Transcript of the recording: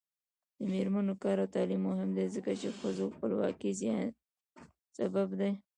د میرمنو کار او تعلیم مهم دی ځکه چې ښځو خپلواکۍ زیاتولو سبب دی.